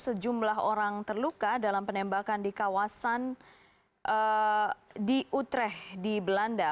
sejumlah orang terluka dalam penembakan di kawasan di utrech di belanda